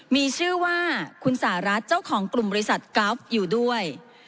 มีชื่อว่าคุณสหรัฐเจ้าของกลุ่มบริษัทกราฟอยู่ด้วย